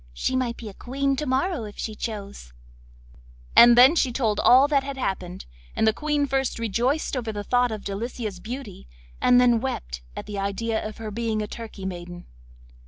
She might be a Queen to morrow if she chose;' and then she told all that had happened, and the Queen first rejoiced over the thought of Delicia's beauty, and then wept at the idea of her being a Turkey maiden.